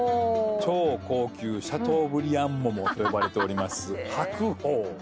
超高級シャトーブリアン桃と呼ばれております白鳳。